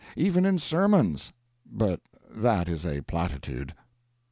Even in sermons but that is a platitude.